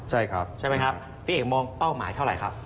ใช่ครับพี่เอกมองเป้าหมายเท่าไรครับ